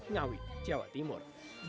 ngawit jawa timur